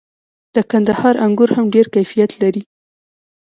د کندهار انګور هم ډیر کیفیت لري.